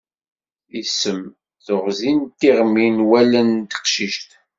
Isem, teɣzi d tiɣmi n wallen n teqcict.